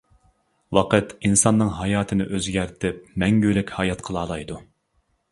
ۋاقىت ئىنساننىڭ ھاياتىنى ئۇزارتىپ مەڭگۈلۈك ھايات قىلالايدۇ.